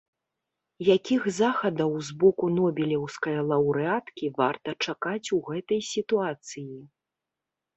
Якіх захадаў з боку нобелеўскай лаўрэаткі варта чакаць у гэтай сітуацыі?